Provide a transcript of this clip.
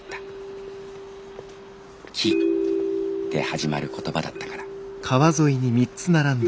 『き』で始まる言葉だったから」。